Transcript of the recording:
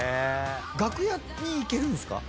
楽屋に行けるんすか？